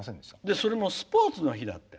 それもスポーツの日って。